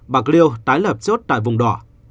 bạc liêu tái lập chốt tại vùng đỏ